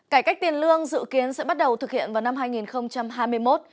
cải cách tiền lương dự kiến sẽ bắt đầu thực hiện vào năm hai nghìn hai mươi một